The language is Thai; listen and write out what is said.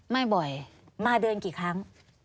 ไม่บ่อยมาเดือนกี่ครั้ง